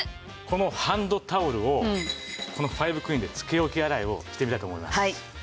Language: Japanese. このハンドタオルをファイブクリーンでつけ置き洗いをしてみたいと思います。